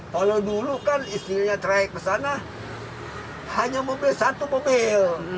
kalau dulu kan istrinya trayek ke sana hanya mobil satu mobil